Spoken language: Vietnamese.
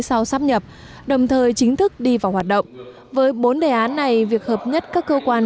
sau sắp nhập đồng thời chính thức đi vào hoạt động với bốn đề án này việc hợp nhất các cơ quan